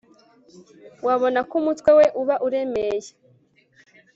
wabona ko umutwe we uba uremeye